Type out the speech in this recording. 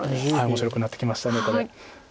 面白くなってきましたこれ。